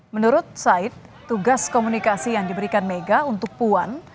menurut said tugas komunikasi yang diberikan mega untuk puan